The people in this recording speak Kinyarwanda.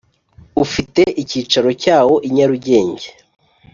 ufite icyicaro cyawo i Nyarugenge